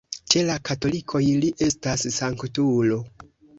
Ĉe la katolikoj li estas sanktulo.